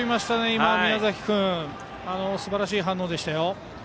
今の宮崎君はすばらしい反応でした。